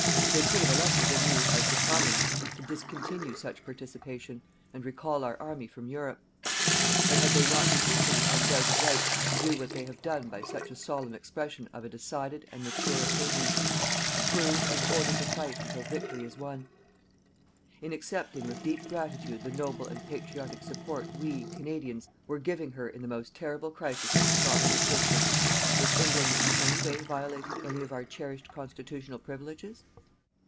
They could have elected a new House of Commons to discontinue such participation and recall our army from Europe. But had they not the equally undoubted right to do what they have done by such a solemn expression of a decided and matured opinion: approve and order to fight until victory is won? In accepting with deep gratitude the noble and patriotic support we, Canadians, were giving her in the most terrible crisis of her Sovereign existence, was England in any way violating any of our cherished constitutional privileges?